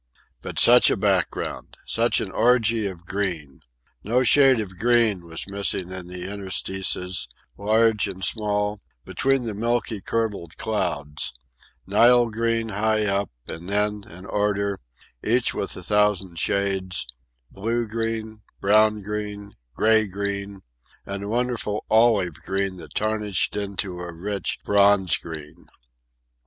But such a background! Such an orgy of green! No shade of green was missing in the interstices, large and small, between the milky, curdled clouds—Nile green high up, and then, in order, each with a thousand shades, blue green, brown green, grey green, and a wonderful olive green that tarnished into a rich bronze green.